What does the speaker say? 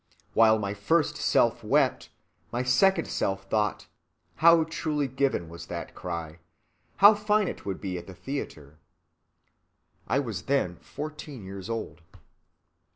While my first self wept, my second self thought, 'How truly given was that cry, how fine it would be at the theatre.' I was then fourteen years old.